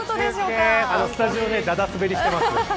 スタジオだだすべりしています。